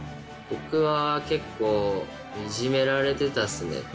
僕は結構、いじめられてたっすね。